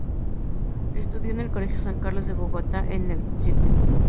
Estudió en Colegio San Carlos de Bogotá y en el St.